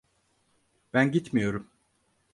Ben gitmiyorum.